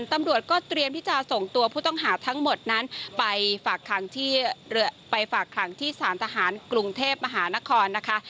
ตำรวจก็เตรียมที่จะส่งตัวผู้ต้องหาทั้งหมดนั้นไปฝากขังที่ไปฝากขังที่สารทหารกรุงเทพมหานครนะคะ